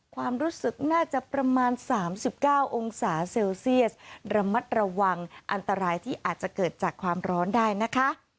ความรู้สึกน่าจะประมาณ๓๙องศาเซลเซียสระมัดระวังอันตรายที่อาจจะเกิดจากความร้อนได้นะคะ